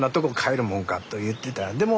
でも